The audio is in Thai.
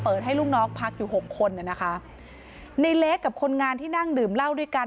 ให้ลูกน้องพักอยู่หกคนน่ะนะคะในเล็กกับคนงานที่นั่งดื่มเหล้าด้วยกัน